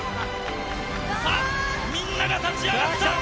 さあ、みんなが立ち上がった。